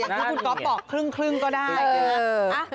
เอออย่างที่คุณก๊อบบอกครึ่งครึ่งก็ได้เออ